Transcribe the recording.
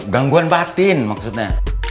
gangguan batin maksudnya